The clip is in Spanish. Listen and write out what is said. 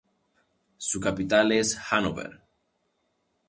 Su capital es Hannover.